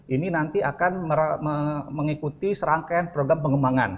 ini nanti akan mengikuti serangkaian program pengembangan